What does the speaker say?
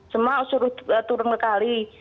semua suruh turun sekali